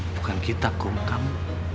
bukan kita pak ustaz kamu